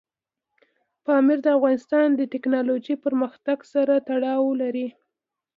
پامیر د افغانستان د تکنالوژۍ پرمختګ سره تړاو لري.